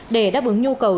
để đáp ứng nhu cầu